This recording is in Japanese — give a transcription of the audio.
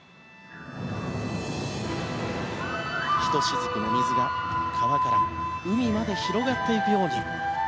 ひとしずくの水が川から海まで広がっていくように。